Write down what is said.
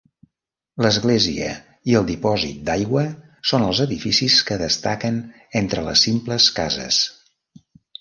L'església i el dipòsit d'aigua són els edificis que destaquen entre les simples cases.